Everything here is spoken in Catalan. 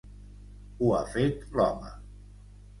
Ho ha fet l'home.